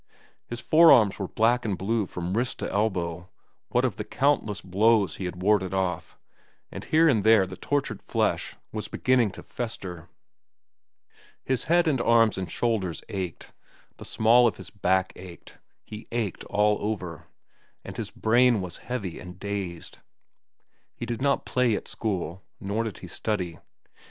His forearms were black and blue from wrist to elbow, what of the countless blows he had warded off, and here and there the tortured flesh was beginning to fester. His head and arms and shoulders ached, the small of his back ached,—he ached all over, and his brain was heavy and dazed. He did not play at school. Nor did he study.